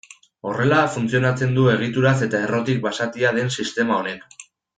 Horrela funtzionatzen du egituraz eta errotik basatia den sistema honek.